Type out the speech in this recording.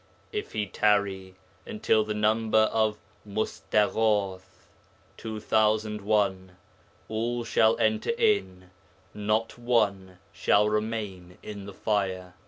If He tarry [until the number of] Mustaghath (2001), all shall enter in, not one shall remain in the Fire.'